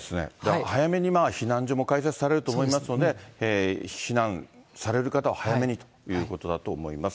早めに避難所も開設されると思いますので、避難される方は早めにということだと思います。